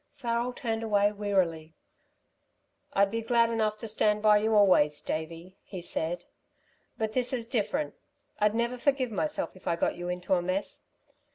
Farrel turned away wearily. "I'd be glad enough to stand by you always, Davey," he said. "But this is different! I'd never forgive myself if I got you into a mess.